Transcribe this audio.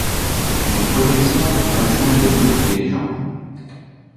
Une protection maintien le dos et les jambes.